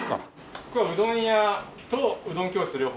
ここはうどん屋とうどん教室両方。